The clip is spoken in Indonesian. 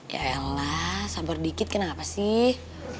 yaelah sabar dikit kenapa sih